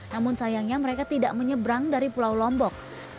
namun sayangnya mereka tidak menyeberang dari pulau lombok